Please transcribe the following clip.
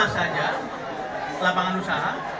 lima saja lapangan usaha